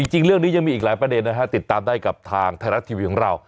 จริงเรื่องนี้ยังมีอีกหลายประเด็นนะฮะติดตามได้กับทางไทยรัฐทีวีของเรา